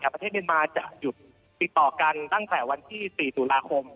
ประเทศเมียนมาจะหยุดติดต่อกันตั้งแต่วันที่๔ตุลาคม